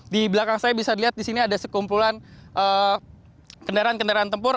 di belakang saya bisa dilihat di sini ada sekumpulan kendaraan kendaraan tempur